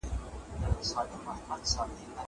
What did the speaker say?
مرسته وکړه!